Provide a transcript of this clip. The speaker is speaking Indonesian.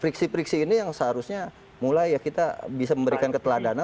friksi friksi ini yang seharusnya mulai ya kita bisa memberikan keteladanan